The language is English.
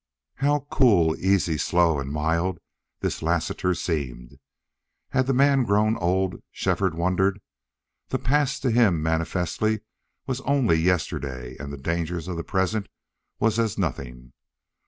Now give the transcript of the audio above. How cool, easy, slow, and mild this Lassiter seemed! Had the man grown old, Shefford wondered? The past to him manifestly was only yesterday, and the danger of the present was as nothing.